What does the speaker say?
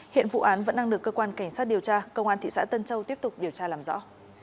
hiện vụ án vẫn đang được cơ quan cảnh sát điều tra công an thị xã tân châu tiếp tục điều tra làm rõ